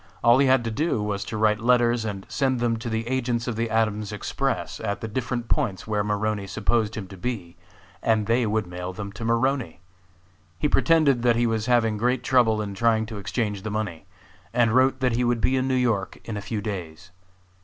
All he had to do was to write letters and send them to the agents of the Adams Express at the different points where Maroney supposed him to be, and they would mail them to Maroney. He pretended that he was having great trouble in trying to exchange the money, and wrote that he would be in New York in a few days.